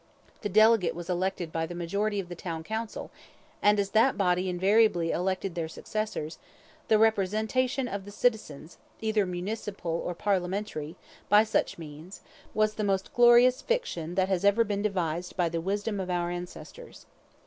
The delegate was elected by the majority of the town council, and as that body invariably elected their successors, the representation of the citizens, either municipal or parliamentary, by such means, was the most glorious fiction that has ever been devised by the wisdom of our ancestors.